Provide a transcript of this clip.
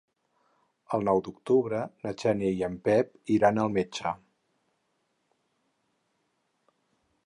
El nou d'octubre na Xènia i en Pep iran al metge.